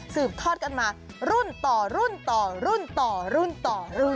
ทอดกันมารุ่นต่อรุ่นต่อรุ่นต่อรุ่นต่อรุ่น